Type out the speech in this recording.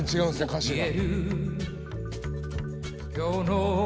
歌詞が。